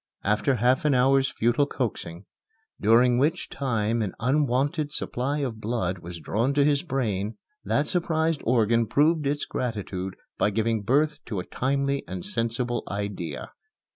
After half an hour's futile coaxing, during which time an unwonted supply of blood was drawn to his brain, that surprised organ proved its gratitude by giving birth to a timely and sensible idea.